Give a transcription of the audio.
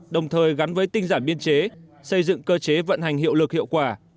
đồng thời gắn với tinh giản biên chế xây dựng cơ chế vận hành hiệu lực hiệu quả